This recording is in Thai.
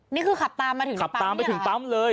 นี่คือขับตามมาถึงปั๊มเนี่ยขับตามไปถึงปั๊มเลย